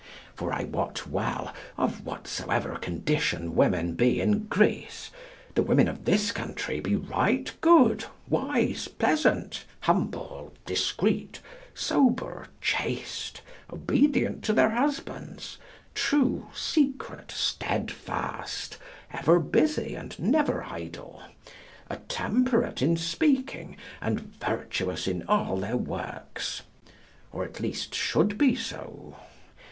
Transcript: For I wot well, of whatsoever condition women be in Greece, the women of this country be right good, wise, pleasant, humble, discreet, sober, chaste, obedient to their husbands, true, secret, steadfast, ever busy, and never idle, attemperate in speaking, and virtuous in all their works or at least should be so.